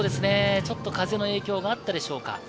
ちょっと風の影響があったでしょうか。